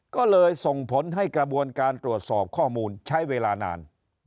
ก็เลยส่งผลให้กระบวนการตรวจสอบข้อมูลใช้เวลานาน